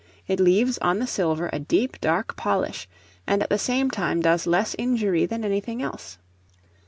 It leaves on the silver a deep, dark polish, and at the same time does less injury than anything else.